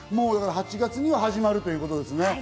８月には始まるということですね。